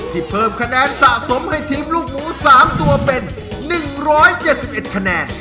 เพิ่มคะแนนสะสมให้ทีมลูกหมู๓ตัวเป็น๑๗๑คะแนน